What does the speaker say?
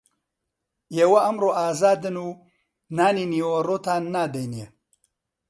ئێوە ئەمڕۆ ئازادن و نانی نیوەڕۆتان نادەینێ